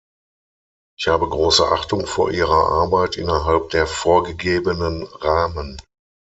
Ich habe große Achtung vor ihrer Arbeit innerhalb der vorgegebenen Rahmen.